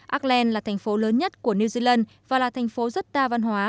acland là thành phố lớn nhất của new zealand và là thành phố rất đa văn hóa